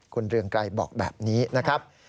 คุณเรืองไกรบอกแบบนี้นะครับ